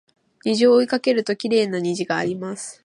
虹を追いかけるときれいな虹があります